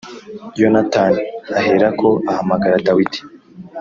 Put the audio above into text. Yonatani aherako ahamagara Dawidi